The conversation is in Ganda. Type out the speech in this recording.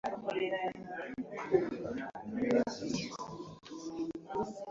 Mpaayo amannya kkumi ku ga Kabaka.